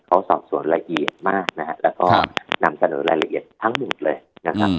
เขาสอบสวนละเอียดมากนะฮะแล้วก็นำเสนอรายละเอียดทั้งหมดเลยนะครับ